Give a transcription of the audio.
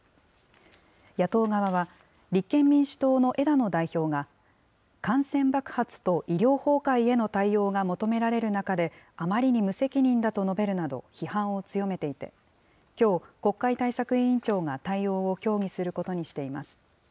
野党側は、立憲民主党の枝野代表が、感染爆発と医療崩壊への対応が求められる中で、あまりに無責任だと述べるなど、批判を強めていて、きょう、国会対策委員長が対応を協議することにしています。